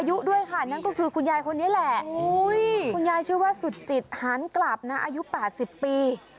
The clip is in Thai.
อุ๊ยคุณยายชื่อว่าสุจิตหานกราบนะอายุป่าสิบปี